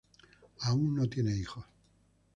Aún no tiene hijos.